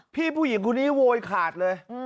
ผู้หญิงคนนี้โวยขาดเลย